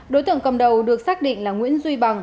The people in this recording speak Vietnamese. đối tượng cầm đầu được xác định là nguyễn duy bằng